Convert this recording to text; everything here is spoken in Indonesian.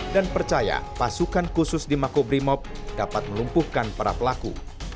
dan percaya pasukan khusus di makobrimob dapat melumpuhkan para pelaku